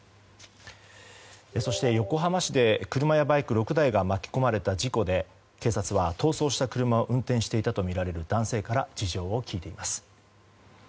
そして、横浜市で車やバイク６台が巻き込まれた事故で警察は逃走した車を運転していたとみられる男性から事情を聴いています。